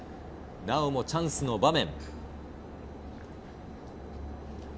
なおもチャンスの場面。